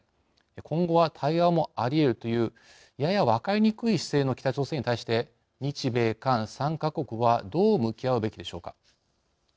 今後は対話もあり得るというやや分かりにくい姿勢の北朝鮮に対して日米韓３か国はどう向き合うべきでしょうか。